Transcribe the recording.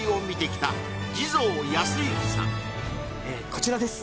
こちらです